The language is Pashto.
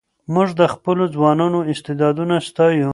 موږ د خپلو ځوانانو استعدادونه ستایو.